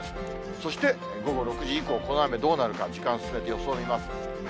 そして、午後６時以降、この雨どうなるか、時間進めて予想見ます。